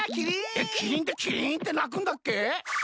えキリンってキリンってなくんだっけ？